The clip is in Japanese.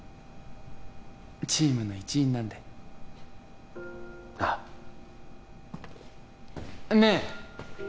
チームの一員なんでああねえ